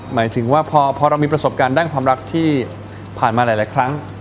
หมายถึงว่าพอเรามีประสบการณ์ด้านความรักที่ผ่านมาหลายครั้ง